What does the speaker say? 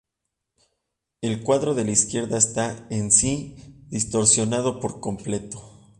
El cuadro de la izquierda está en sí distorsionado por completo.